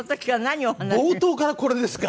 冒頭からこれですか？